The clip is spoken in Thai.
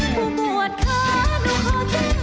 ผู้บวชคะหนูเขาเจ็บข้างข้าง